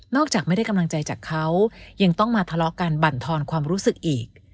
จากไม่ได้กำลังใจจากเขายังต้องมาทะเลาะกันบรรทอนความรู้สึกอีก